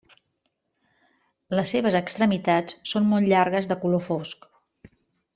Les seves extremitats són molt llargues de color fosc.